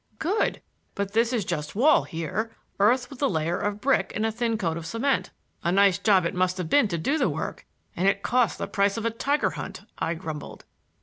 "Good! but this is just wall here—earth with a layer of brick and a thin coat of cement. A nice job it must have been to do the work,—and it cost the price of a tiger hunt," I grumbled.